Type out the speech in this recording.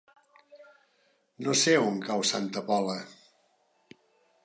No sé on cau Santa Pola.